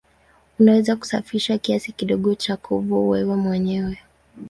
Unaweza kusafisha kiasi kidogo cha kuvu wewe mwenyewe.